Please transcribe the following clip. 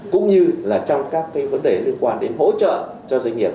cũng như là trong các vấn đề liên quan đến hỗ trợ cho doanh nghiệp